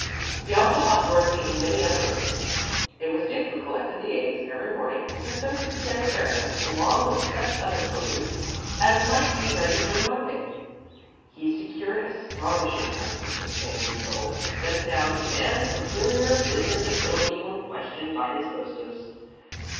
He also helped Dorothy in many other ways. It was Dick who collected the eggs every morning and took them to the sanitarium, along with such other produce as might be ready for the market. He secured astonishing prices for the things he sold, and set it down to man's superior business ability when questioned by his hostess.